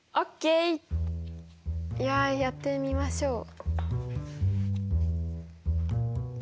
いややってみましょう。